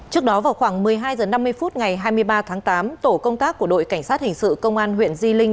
trước đó vào khoảng một mươi hai h năm mươi phút ngày hai mươi ba tháng tám tổ công tác của đội cảnh sát hình sự công an huyện di linh